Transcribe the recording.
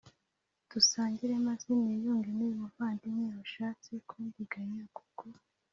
dusangira maze niyunge n’uyu muvandiwe washatse kundiganya kuko